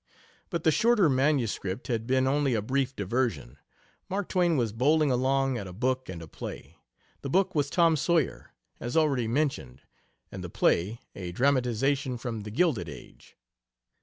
But the shorter MS. had been only a brief diversion. Mark Twain was bowling along at a book and a play. The book was Tom Sawyer, as already mentioned, and the play a dramatization from The Gilded Age.